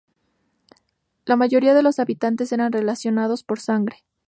La mayoría de los habitantes están relacionados por sangre.